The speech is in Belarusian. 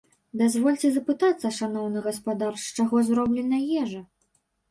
Дазвольце запытацца, шаноўны гаспадар, з чаго зроблена ежа?